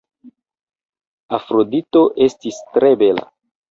Afrodito estis tre bela.